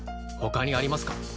他にありますか？